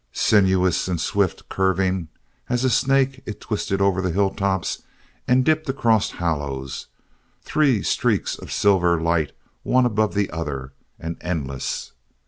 Sinuous and swift curving as a snake it twisted over hilltops and dipped across hollows, three streaks of silver light one above the other, and endless.